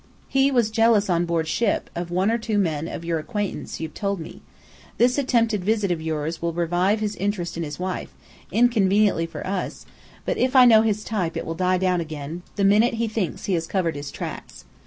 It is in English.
He was jealous on board ship, of one or two men of your acquaintance, you've told me. This attempted visit of yours will revive his interest in his wife, inconveniently for us; but if I know his type it will die down again, the minute he thinks he has covered his tracks.